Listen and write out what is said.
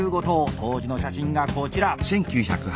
当時の写真がこちら！